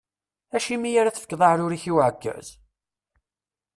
Acimi ara tefkeḍ aɛrur-ik i uɛekkaz?